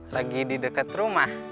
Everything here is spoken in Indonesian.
lagi di deket rumah